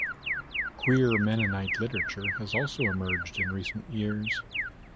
Queer Mennonite literature has also emerged in recent years.